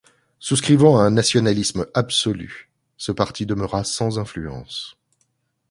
Souscrivant à un nationalisme absolu, ce Parti demeura sans influence.